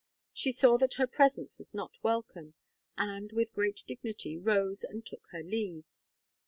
She saw that her presence was not welcome, and, with great dignity, rose and took her leave.